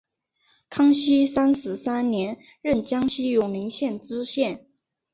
康熙三十三年任江西永宁县知县。